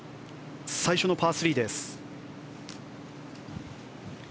最初のパー３です。